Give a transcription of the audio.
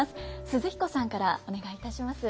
寿々彦さんからお願いいたします。